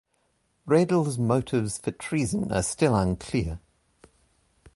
Redl's motives for treason are still unclear.